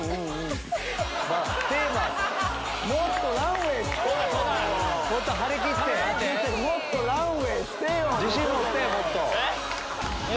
もっとランウェイしてよ！